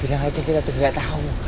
bila aja kita tuh gak tau